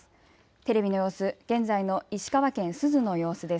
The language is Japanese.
テレビの様子、現在の石川県珠洲の様子です。